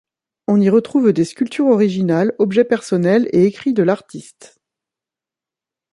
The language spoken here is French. On y retrouve des sculptures originales, objets personnels et écrits de l'artiste.